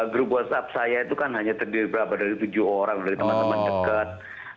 grup whatsapp saya itu kan hanya terdiri berapa dari tujuh orang dari teman teman dekat